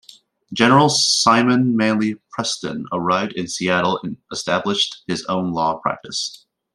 General Simon Manly Preston, arrived in Seattle and established his own law practice.